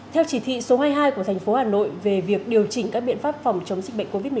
theo chỉ thị số hai mươi hai của tp hcm về việc điều chỉnh các biện pháp phòng chống dịch bệnh covid một mươi chín